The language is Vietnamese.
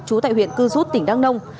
trú tại huyện cư rút tỉnh đăng đông